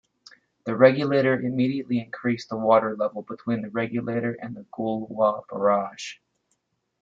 The Regulator immediately increased the water level between the Regulator and the Goolwa Barrage.